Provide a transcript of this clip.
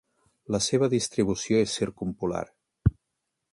La seva distribució és circumpolar.